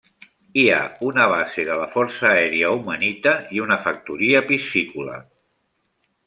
Hi ha una base de la Força Aèria Omanita i una factoria piscícola.